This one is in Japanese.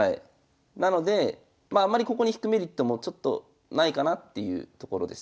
なのでまああんまりここに引くメリットもちょっとないかなっていうところです。